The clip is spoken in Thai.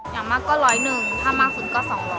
อย่างมากก็๑๐๑ถ้ามากสุดก็๒๐๐